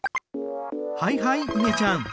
はいはいいげちゃん。